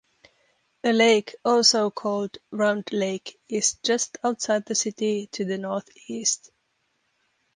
A lake, also called Round Lake, is just outside the city to the northeast.